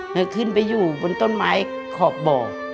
แล้วขึ้นไปอยู่บนต้นไม้ขอบบ่อ